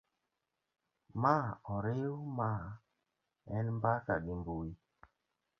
ma oriw ma en mbaka gi mbui